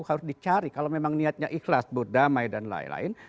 harus dicari kalau memang niatnya ikhlas berdamai dan lain lain